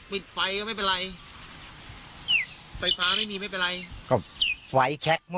มีไฟก็ไม่เป็นไรไฟฟ้าไม่มีไม่เป็นไรก็ไฟแคล็กไม่มีอ่ะ